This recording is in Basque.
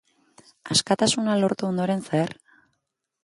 Askatasuna lortu ondoren zer?